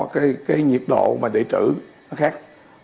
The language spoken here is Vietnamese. có cái nhiệt độ mà để trữ nó khác